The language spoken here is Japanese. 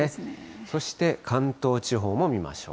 そして関東地方も見ましょう。